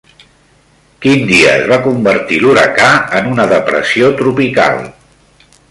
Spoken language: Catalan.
Quin dia es va convertir l'huracà en una depressió tropical?